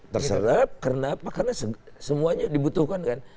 terserap kenapa karena semuanya dibutuhkan kan